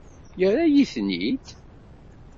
Yerra-yi-ten-id.